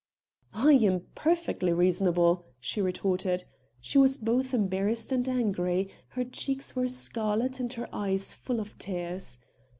"I am perfectly reasonable," she retorted. She was both embarrassed and angry; her cheeks were scarlet and her eyes full of tears.